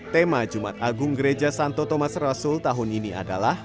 tema jumat agung gereja santo thomas rasul tahun ini adalah